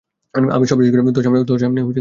আমি সব শেষ করে, তোর সামনে হাজির হবো।